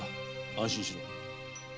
安心しろ。